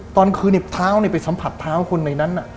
ตอนคืนท้าวไปสัมผัสท้าวคนในนั้น